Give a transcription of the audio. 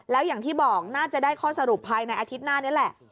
แล้วอย่างที่บอกน่าจะได้ข้อสรุปภายในอาทิตย์หน้านี้แหละ